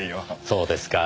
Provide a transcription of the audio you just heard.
そうですか。